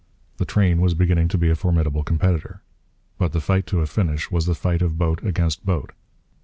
The train was beginning to be a formidable competitor. But the fight to a finish was the fight of boat against boat.